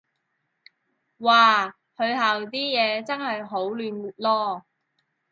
嘩，佢校啲嘢真係好亂囉